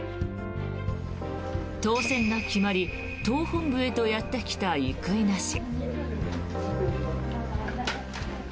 当選が決まり党本部へとやってきた生稲氏。